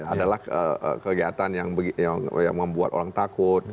adalah kegiatan yang membuat orang takut